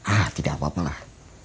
ah tidak apa apalah lima ratus